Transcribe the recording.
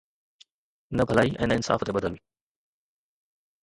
نه ڀلائي ۽ نه انصاف تي ٻڌل.